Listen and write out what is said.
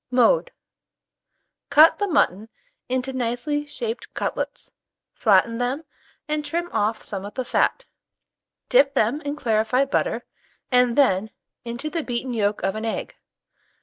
Mode. Cut the mutton into nicely shaped cutlets, flatten them, and trim off some of the fat, dip them in clarified butter, and then, into the beaten yolk of an egg.